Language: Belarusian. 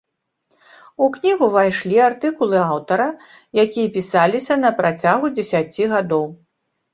У кнігу ўвайшлі артыкулы аўтара, якія пісаліся на працягу дзесяці гадоў.